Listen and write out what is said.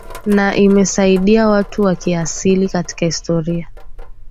na imesaidia watu wa kiasili katika historia